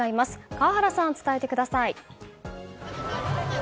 川原さん、伝えてください。